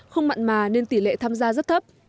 không mặn mà nên tỷ lệ tham gia rất thấp